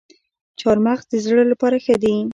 چهارمغز د زړه لپاره ښه دي